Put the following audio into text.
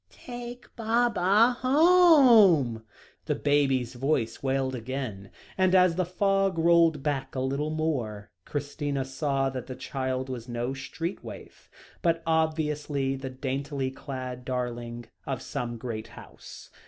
"Take Baba home," the baby voice wailed again, and as the fog rolled back a little more, Christina saw that the child was no street waif, but obviously the daintily clad darling of some great house.